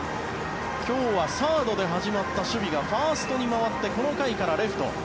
今日はサードで始まった守備がファーストに回ってこの回からレフト。